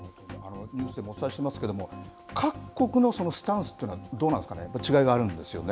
ニュースでもお伝えしていますけれども、各国のスタンスっていうのはどうなんですかね、やっぱり違いがあるんですよね。